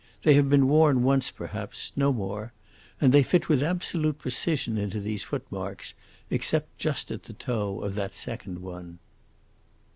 They have been worn once, perhaps, no more, and they fit with absolute precision into those footmarks, except just at the toe of that second one."